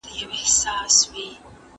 د خلکو باور وساتئ.